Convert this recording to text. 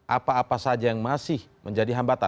apa apa saja yang masih menjadi hambatan